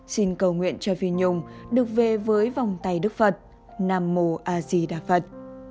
xin cầu nguyện cho phi nhung được về với vòng tay đức phật nam mô a di đà phật